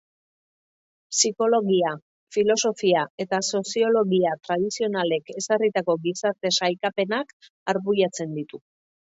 Psikologia, filosofia eta soziologia tradizionalek ezarritako gizarte sailkapenak arbuiatzen ditu.